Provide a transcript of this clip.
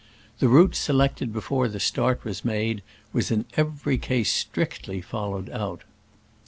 The route selected before the start was made was in every case strictly followed out.